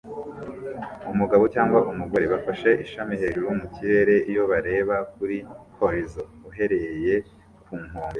Umugabo cyangwa umugore bafashe ishami hejuru mu kirere iyo bareba kuri horizon uhereye ku nkombe